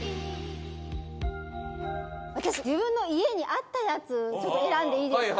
私自分の家にあったやつちょっと選んでいいですか？